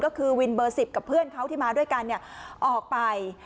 ก็คือวินเบอร์๑๐กับเพื่อนเขาที่มาด้วยกันออกไป